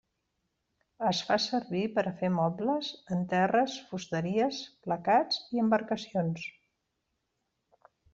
Es fa servir per a fer mobles, en terres, fusteries, placats i embarcacions.